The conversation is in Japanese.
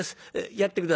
やって下さい」。